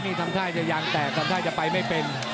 นี่ทำท่าจะยางแตกทำท่าจะไปไม่เป็น